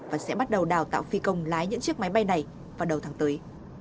và sẽ bắt đầu đào tạo phi công lái những chiếc máy bay này vào đầu tháng tới